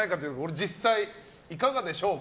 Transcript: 実際いかがでしょうか。